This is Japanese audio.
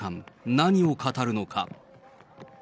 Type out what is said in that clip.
何を語るのか。